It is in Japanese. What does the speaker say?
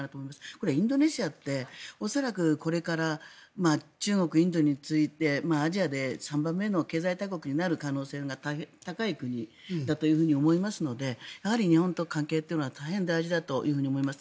これインドネシアって恐らくこれから中国、インドに次いでアジアで３番目の経済大国になる可能性が高い国だと思いますのでやはり日本との関係というのは本当に大事だと思います。